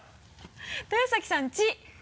豊崎さん「ち」